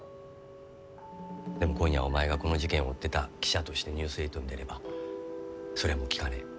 でも今夜お前がこの事件を追ってた記者として「ニュース８」に出ればそれはもう効かねぇ。